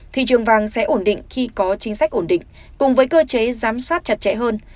thị trường vàng sẽ ổn định khi có chính sách ổn định cùng với cơ chế giám sát chặt chẽ hơn